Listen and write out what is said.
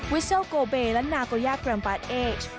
วิสเซลล์โกเบและนาโกเลียกรัมปาร์ตเอช